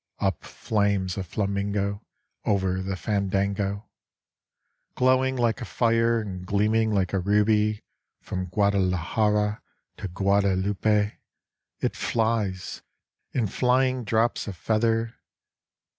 Up flames a flamingo over the fandango; Glowing like a fire, and gleaming like a ruby From Guadalajara to Guadalupe It flies, — In flying drops a feather